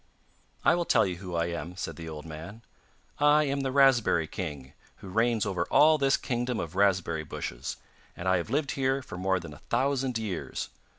'I will tell you who I am,' said the old man; 'I am the raspberry king, who reigns over all this kingdom of raspberry bushes, and I have lived here for more than a thousand years.